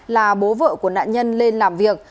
là bố vợ của nạn nhân lên làm việc